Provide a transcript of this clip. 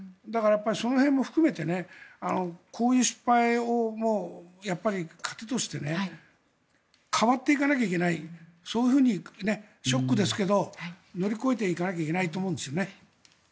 その辺も含めてこういう失敗を糧として変わっていかなきゃいけないそういうふうにショックですけど乗り越えていかなきゃいけないと思うんですよね。